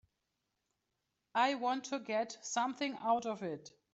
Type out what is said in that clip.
I want to get something out of it.